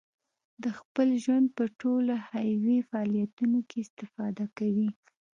د خپل ژوند په ټولو حیوي فعالیتونو کې استفاده کوي.